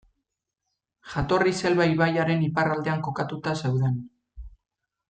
Jatorriz Elba ibaiaren iparraldean kokatuta zeuden.